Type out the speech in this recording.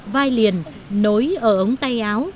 vai liền nối ở ống tay áo